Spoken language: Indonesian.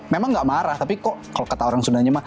memang gak marah tapi kok kalau kata orang sundanya mah